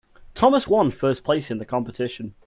Thomas one first place in the competition.